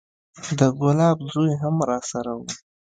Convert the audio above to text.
د ګلاب زوى هم راسره و.